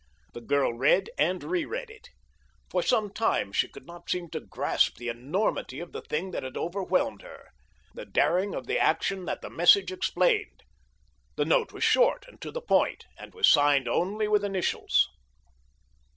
The girl read and reread it. For some time she could not seem to grasp the enormity of the thing that had overwhelmed her—the daring of the action that the message explained. The note was short and to the point, and was signed only with initials.